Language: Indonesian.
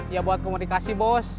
ya buat komunikasi bos